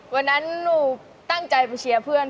วันนั้นหนูตั้งใจไปเชียร์เพื่อน